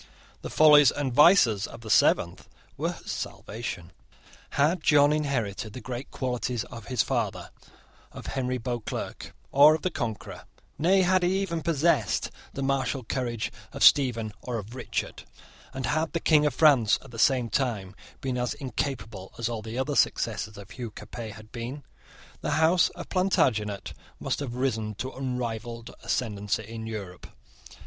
The follies and vices of the seventh were her salvation. Had John inherited the great qualities of his father, of Henry Beauclerc, or of the Conqueror, nay, had he even possessed the martial courage of Stephen or of Richard, and had the King of France at the same time been as incapable as all the other successors of Hugh Capet had been, the House of Plantagenet must have risen to unrivalled ascendancy in Europe.